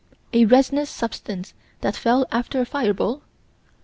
A resinous substance that fell after a fireball?